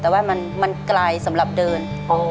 แต่ว่ามันไกลสำหรับเดิน